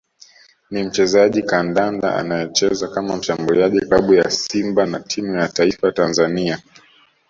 ni mchezaji kandanda anayecheza kama mshambuliaji klabu ya Simba na timu ya Taifa Tanzania